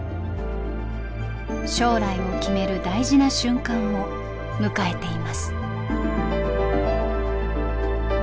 将来を決める大事な瞬間を迎えています。